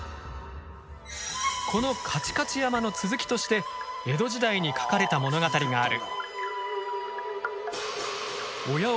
この「かちかち山」の続きとして江戸時代に書かれた物語がある。